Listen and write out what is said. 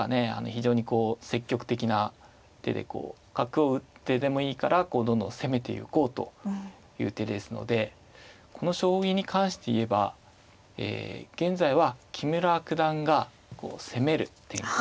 非常にこう積極的な手で角を打ってでもいいからどんどん攻めていこうという手ですのでこの将棋に関して言えば現在は木村九段が攻める展開